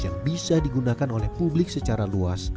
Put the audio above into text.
yang bisa digunakan oleh publik secara luas